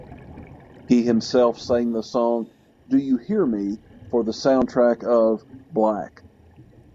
He himself sang the song "Do You Hear Me" for the soundtrack of "Black".